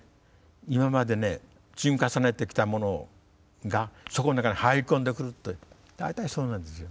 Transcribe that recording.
今まで積み重ねてきたものがそこの中に入り込んでくるという大体そうなんですよ。